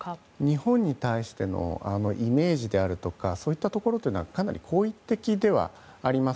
日本に対してのイメージであるとかそういったところというのはかなり好意的ではあります。